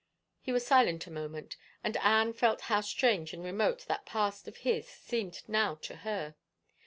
He was silent a moment, and Anne felt how strange and remote that past of his seemed now to her.